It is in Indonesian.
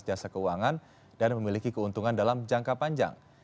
jasa keuangan dan memiliki keuntungan dalam jangka panjang